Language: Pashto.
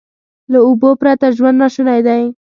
له اوبو پرته ژوند ناشونی دی.